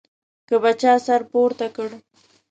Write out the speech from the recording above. که به چا سر پورته کړ.